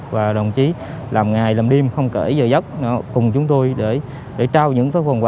và đồng chí làm ngày làm đêm không kể giờ giấc cùng chúng tôi để trao những phần quà